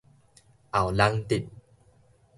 後龍鎮